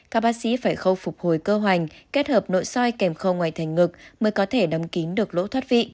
các bác sĩ phải khâu phục hồi cơ hoành kết hợp nội soi kèm khâu ngoài thành ngực mới có thể đắm kín được lỗ thoát vị